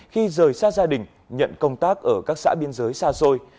khi rời xa gia đình nhận công tác ở các xã biên giới xa xôi